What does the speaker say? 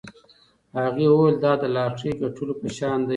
هغې وویل دا د لاټرۍ ګټلو په شان دی.